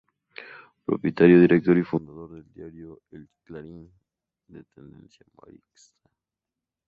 Propietario, Director y fundador del diario "El Clarín" de tendencia marxista.